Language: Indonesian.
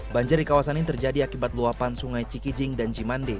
banjir di kawasan ini terjadi akibat luapan sungai cikijing dan cimande